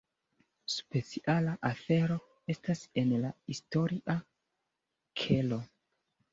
Speciala afero estas en la historia kelo.